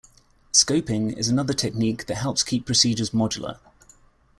Scoping is another technique that helps keep procedures modular.